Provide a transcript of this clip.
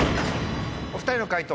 お２人の解答